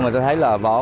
tôi thấy là võ